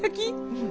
うん。